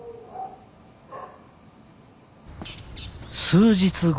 数日後。